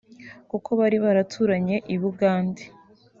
kuko bari baturanye i Bugande